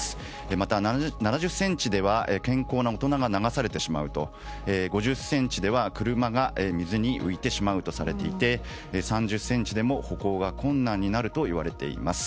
また、７０ｃｍでは健康な大人が流されてしまい５０ｃｍでは車が水に浮いてしまうとされていて３０ｃｍでも歩行が困難になるといわれています。